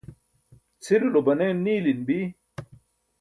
cʰilulo banen niilin bi